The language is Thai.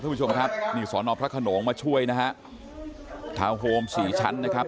ทุกผู้ชมครับสวนอพระขนงมาช่วยนะฮะท้าโฮม๔ชั้นนะครับ